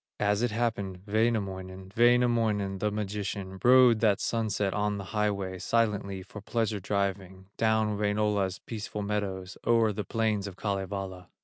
As it happened, Wainamoinen, Wainamoinen, the magician, Rode that sunset on the highway, Silently for pleasure driving Down Wainola's peaceful meadows, O'er the plains of Kalevala.